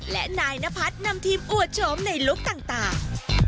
และนายนพัฒน์นำทีมอวดโฉมในลุคต่าง